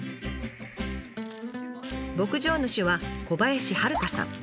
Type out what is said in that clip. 牧場主は小林晴香さん。